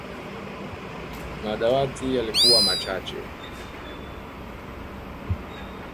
Madawati yalikuwa machache